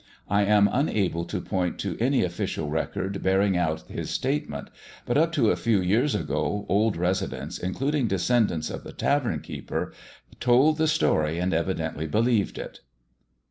I am unable to point to any official record bearing out his statement; but up to a few years ago old residents, including descendants of the tavern keeper, told the story and evidently believed it.